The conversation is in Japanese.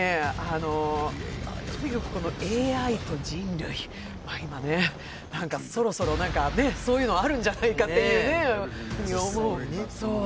とにかくＡＩと人類、今、そろそろそういうのあるんじゃないかっていうねいうふうには思う。